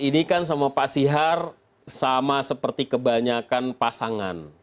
ini kan sama pak sihar sama seperti kebanyakan pasangan